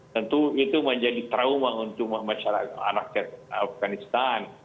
tentu itu menjadi trauma untuk rakyat afganistan